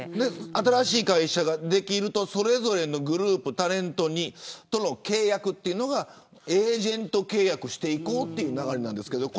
新しい会社ができるとそれぞれのグループタレントとの契約っていうのがエージェント契約していこうという流れです。